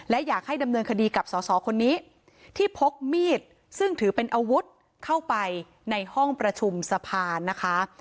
และอยากให้ดำเนินคดีกับสอสอคนนี้ที่พกมีดซึ่งถือเป็นอาวุธเข้าไปในห้องประชุมสะพานนะคะ